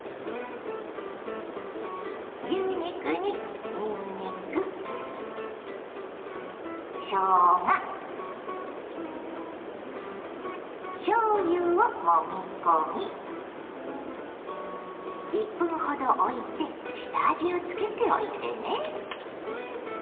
牛肉ににんにくしょうがしょうゆをもみ込み１分ほどおいて下味をつけておいてね。